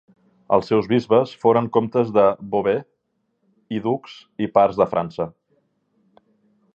Els seus bisbes foren comtes de Beauvais, i ducs i pars de França.